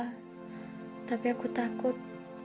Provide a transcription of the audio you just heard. hai tapi aku takut